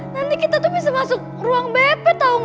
nanti kita tuh bisa masuk ruang bp tau gak